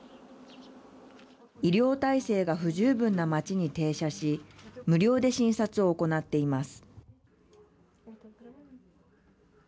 医療体制が不十分な町に停車し無料で診察を行っています。